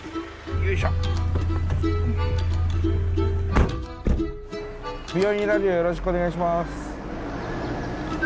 よろしくお願いします。